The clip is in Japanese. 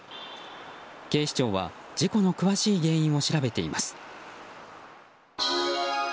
警視庁は事故の詳しい原因を調べています。